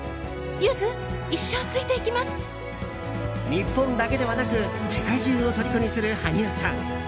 日本だけではなく世界中をとりこにする羽生さん。